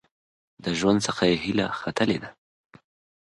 د ژوند څخه یې هیله ختلې ده .